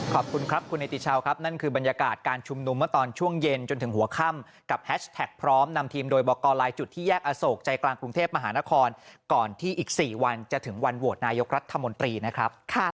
ขอบคุณครับคุณเนติชาวครับนั่นคือบรรยากาศการชุมนุมเมื่อตอนช่วงเย็นจนถึงหัวค่ำกับแฮชแท็กพร้อมนำทีมโดยบอกกรลายจุดที่แยกอโศกใจกลางกรุงเทพมหานครก่อนที่อีก๔วันจะถึงวันโหวตนายกรัฐมนตรีนะครับ